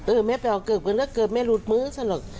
เตอร์ไม่ไปเอาเกิกมันก็เกิกไม่รู้มือฉันหรอก